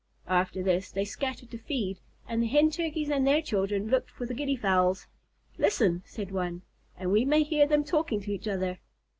After this, they scattered to feed, and the Hen Turkeys and their children looked for the Guinea Fowls. "Listen," said one, "and we may hear them talking to each other."